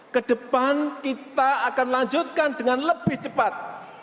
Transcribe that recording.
kedepan kita akan lanjutkan dengan lebih cepat